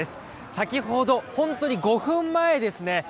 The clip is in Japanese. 先ほど、本当に５分前ですね。